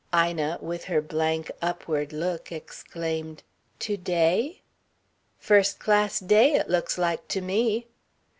Ina, with her blank, upward look, exclaimed: "To day?" "First class day, it looks like to me."